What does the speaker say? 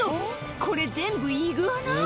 これ全部イグアナ？